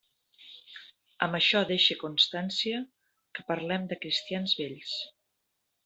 Amb això deixe constància que parlem de cristians vells.